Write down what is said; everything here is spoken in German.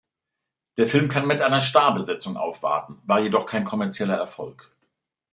Der Film kann mit einer Starbesetzung aufwarten, war jedoch kein kommerzieller Erfolg.